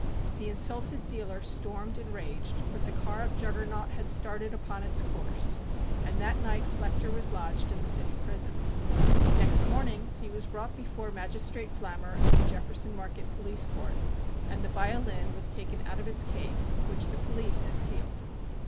The insulted dealer stormed and raged, but the Car of Juggernaut had started upon its course, and that night Flechter was lodged in the city prison. Next morning he was brought before Magistrate Flammer in the Jefferson Market Police Court and the violin was taken out of its case, which the police had sealed.